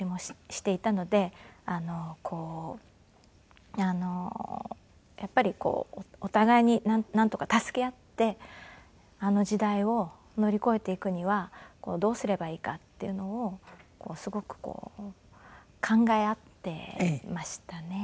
あのこうやっぱりお互いになんとか助け合ってあの時代を乗り越えていくにはどうすればいいかっていうのをすごくこう考え合っていましたね。